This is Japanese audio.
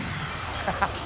ハハハ